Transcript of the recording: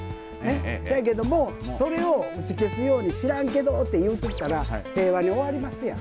そやけど、それを打ち消すように知らんけどって言うとったら平和に終わりますやん。